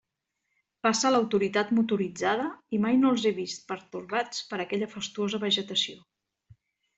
Passa l'autoritat motoritzada i mai no els he vist pertorbats per aquella fastuosa vegetació.